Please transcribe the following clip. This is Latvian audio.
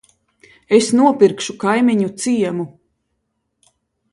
Es nopirkšu kaimiņu ciemu.